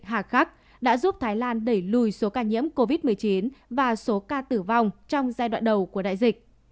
hà khắc đã giúp thái lan đẩy lùi số ca nhiễm covid một mươi chín và số ca tử vong trong giai đoạn đầu của đại dịch